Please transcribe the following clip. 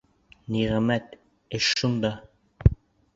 Ниғәмәт, эш шунда...